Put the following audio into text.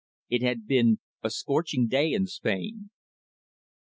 It had been a scorching day in Spain.